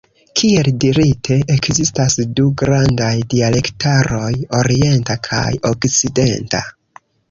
Kiel dirite, ekzistas du grandaj dialektaroj: orienta kaj okcidenta.